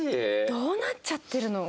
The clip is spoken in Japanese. どうなっちゃってるの？